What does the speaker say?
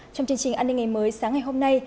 trong chương trình an ninh ngày mới sáng ngày hôm nay